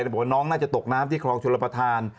บอกว่าน้องน่าจะตกน้ำที่คลองชลประธาน